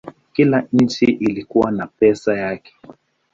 Kila nchi ilikuwa na pesa yake.